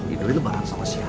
idoi itu bareng sama siapa